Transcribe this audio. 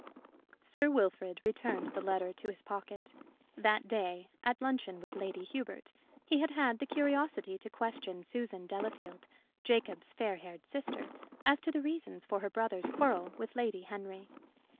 Sir Wilfrid returned the letter to his pocket. That day, at luncheon with Lady Hubert, he had had the curiosity to question Susan Delafield, Jacob's fair haired sister, as to the reasons for her brother's quarrel with Lady Henry.